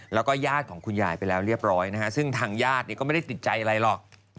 แล้วก็ญาติของคุณยายไปแล้วเรียบร้อยนะฮะซึ่งทางญาติก็ไม่ได้ติดใจอะไรหรอก